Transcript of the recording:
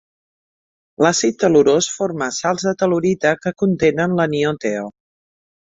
L'àcid tel·lurós forma sals de tel·lurita que contenen l'anió TeO.